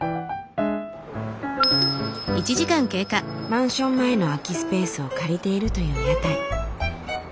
マンション前の空きスペースを借りているという屋台。